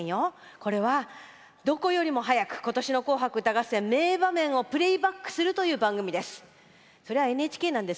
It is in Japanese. これは、どこよりも早く今年の「紅白歌合戦」の名場面をプレーバックするという番組です。